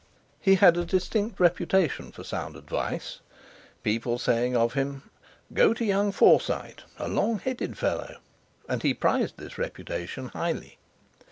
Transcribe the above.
He had a distinct reputation for sound advice; people saying of him: "Go to young Forsyte—a long headed fellow!" and he prized this reputation highly.